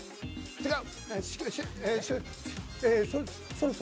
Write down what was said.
違う。